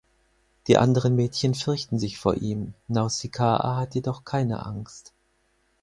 Die anderen Mädchen fürchten sich vor ihm, Nausikaa jedoch hat keine Angst.